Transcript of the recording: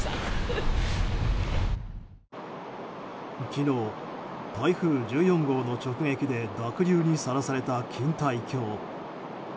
昨日、台風１４号の直撃で濁流にさらされた錦帯橋。